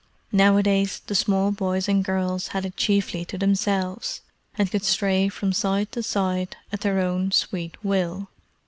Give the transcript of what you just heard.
Nowadays the small boys and girls had it chiefly to themselves, and could stray from side to side at their own sweet will.